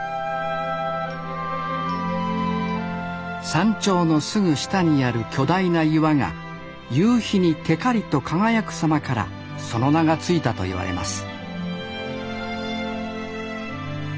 山頂のすぐ下にある巨大な岩が夕日にてかりと輝く様からその名が付いたと言われます